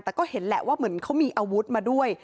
แต่ก็เห็นแหละว่าเหมือนเขามีอาวุธมาด้วย